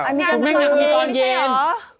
ส่งแม่งเขามีตอนเย็น